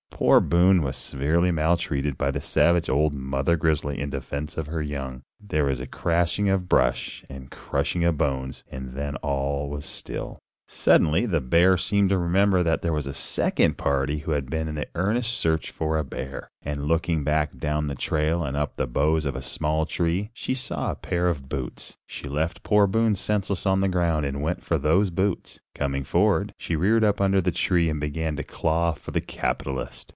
Poor Boone was severely maltreated by the savage old mother grizzly in defense of her young. There was a crashing of brush and a crushing of bones, and then all was still. [Illustration: Of course he dropped his gun. Page 107.] Suddenly the bear seemed to remember that there was a second party who had been in earnest search for a bear, and looking back down the trail and up in the boughs of a small tree, she saw a pair of boots. She left poor Boone senseless on the ground and went for those boots. Coming forward, she reared up under the tree and began to claw for the capitalist.